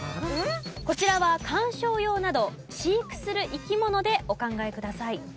こちらは観賞用など飼育する生き物でお考えください。